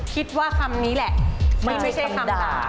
คิดว่าคำนี้แหละที่ไม่ใช่คำด่า